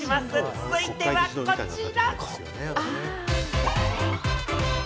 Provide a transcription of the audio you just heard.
続いてはこちら！